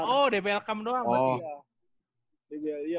oh dbl camp doang berarti ya